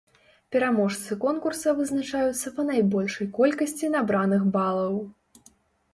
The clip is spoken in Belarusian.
Пераможцы конкурса вызначаюцца па найбольшай колькасці набраных балаў.